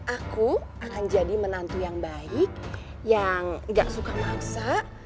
aku akan jadi menantu yang baik yang gak suka masak